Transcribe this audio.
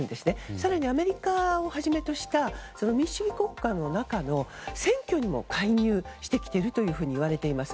更にアメリカをはじめとした民主主義国家の中の選挙にも介入してきているとも言われています。